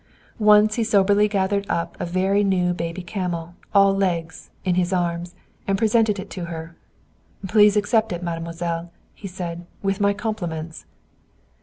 Once he soberly gathered up a very new baby camel, all legs, in his arms, and presented it to her. "Please accept it, mademoiselle," he said. "With my compliments."